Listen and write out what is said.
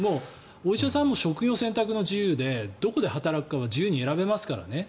お医者さんも職業選択の自由でどこで働くかは自由に選べますからね。